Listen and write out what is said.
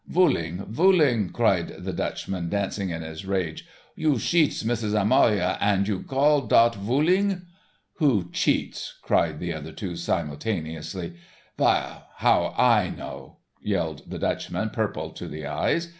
"Vooling, vooling," shouted the Dutchman, dancing in his rage. "You sheats Missus Amaloa und you gall dot vooling." "Who cheats," cried the other two simultaneously. "Vail, how do I know," yelled the Dutchman, purple to the eyes.